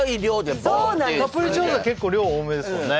カプリチョーザ結構量多めですもんね